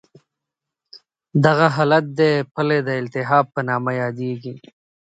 دغه حالت د پلې د التهاب په نامه یادېږي.